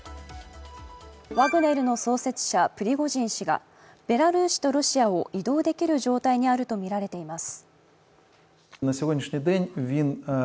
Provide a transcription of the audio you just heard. ワグネルの創設者、プリゴジン氏がベラルーシとロシアを移動できる状態にあるとみられています。